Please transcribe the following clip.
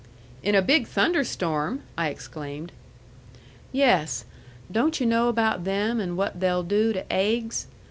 "In a big thunderstorm!" I exclaimed. "Yes. Don't yu' know about them, and what they'll do to aiggs?